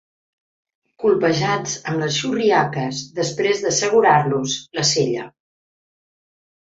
Colpejats amb les xurriaques després d'assegurar-los la sella.